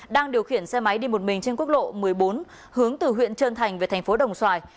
đang điều khiển xe máy đi một mình trên quốc lộ một mươi bốn hướng từ huyện trơn thành về thành phố đồng xoài